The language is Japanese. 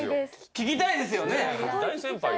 聞きたいですよね？